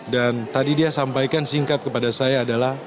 dan tadi dia sampaikan singkat kepada saya adalah